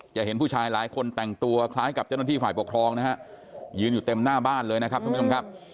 เห็นผู้ชายหลายคนแต่งตัวคล้ายกับเจ้าหน้าที่ฝ่ายปกครองนะฮะยืนอยู่เต็มหน้าบ้านเลยนะครับทุกผู้ชมครับ